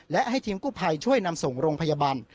และให้ทีมกู้ภัยช่วยนำส่งโรงพยาบาล